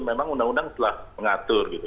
memang undang undang telah mengatur gitu